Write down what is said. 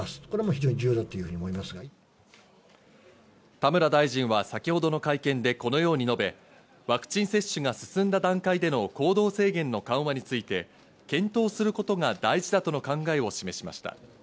田村大臣は先ほどの会見でこのように述べ、ワクチン接種が進んだ段階での行動制限の緩和について検討することが大事だとの考えを示しました。